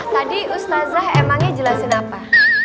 tadi ustazah emangnya jelasin apa